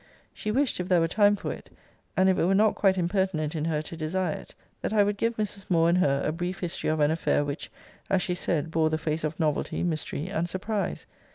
She wished, if there were time for it, and if it were not quite impertinent in her to desire it, that I would give Mrs. Moore and her a brief history of an affair, which, as she said, bore the face of novelty, mystery, and surprise.